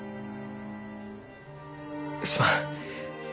すまん。